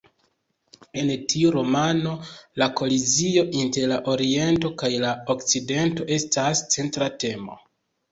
En tiu romano la kolizio inter la Oriento kaj la Okcidento estas centra temo.